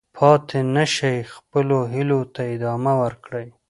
پاتې نه شئ، خپلو هیلو ته ادامه ورکړئ.